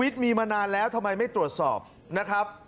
ทำไมไม่ตรวจสอบนะครับ